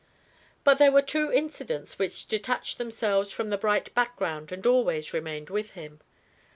But there were two incidents which detached themselves from the bright background and always remained with him.